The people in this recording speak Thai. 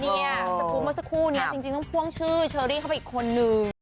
สกรูปเมื่อสักครู่นี้จริงต้องพ่วงชื่อเชอรี่เข้าไปอีกคนนึง